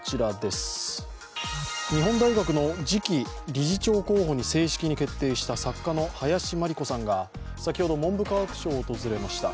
日本大学の次期理事長候補に正式に決定した作家の林真理子さんが先ほど文部科学省を訪れました。